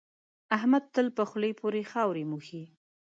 احمد تل په خول پورې خاورې موښي.